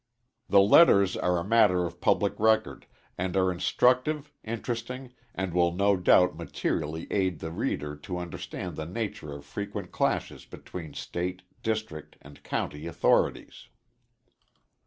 The letters are a matter of public record, and are instructive, interesting, and will no doubt materially aid the reader to understand the nature of frequent clashes between state, district and county authorities.